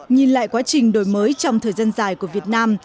nhìn lại quá trình đổi mới trong thời gian dài của việt nam